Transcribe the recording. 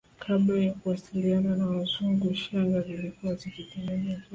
Kabla ya kuwasiliana na Wazungu shanga zilikuwa zikitengenezwa